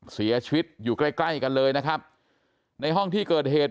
เสียชีวิตอยู่ใกล้ใกล้กันเลยนะครับในห้องที่เกิดเหตุ